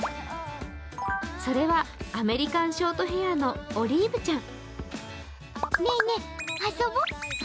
それは、アメリカンショートヘアのオリーブちゃん。